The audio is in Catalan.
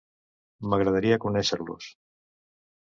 M’agradaria conéixer-los.